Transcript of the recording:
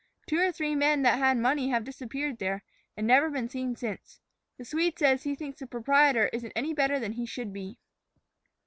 Two or three men that had money have disappeared there, and never been seen since. The Swede says he thinks the proprietor isn't any better than he should be."